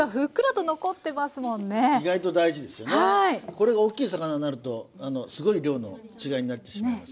これが大きい魚になるとすごい量の違いになってしまいます。